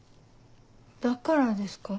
だからですか。